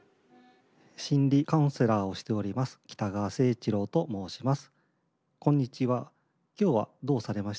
・心理カウンセラーをしております北川清一郎と申します。